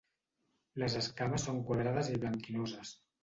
Les escames són quadrades i blanquinoses.